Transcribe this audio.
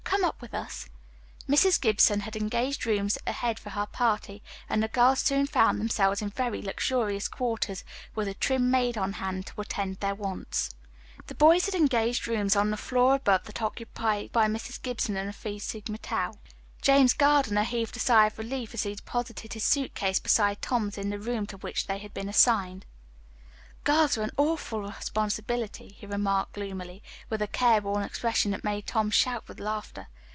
Come up with us." Mrs. Gibson had engaged rooms ahead for her party, and the girls soon found themselves in very luxurious quarters, with a trim maid on hand to attend to their wants. The boys had engaged rooms on the floor above that occupied by Mrs. Gibson and the Phi Sigma Tau. James Gardiner heaved a sigh of relief as he deposited his suit case beside Tom's in the room to which they had been assigned. "Girls are an awful responsibility," he remarked gloomily, with a care worn expression that made Tom shout with laughter.